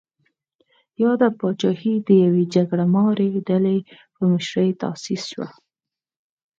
یاده پاچاهي د یوې جګړه مارې ډلې په مشرۍ تاسیس شوه.